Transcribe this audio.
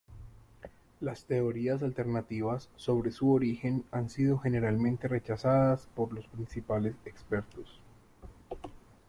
Las teorías alternativas sobre su origen han sido generalmente rechazadas por los principales expertos.